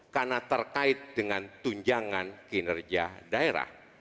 karena terkait dengan tunjangan kinerja daerah